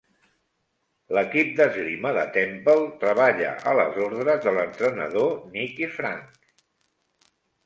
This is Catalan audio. L"equip d"esgrima de Temple treballa a les ordres de l"entrenador Nikki Franke.